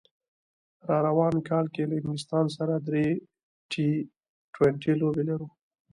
راروان کال کې له انګلستان سره درې ټي ټوینټي لوبې لرو